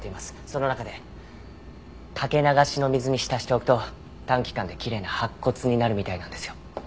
その中でかけ流しの水に浸しておくと短期間できれいな白骨になるみたいなんですよ。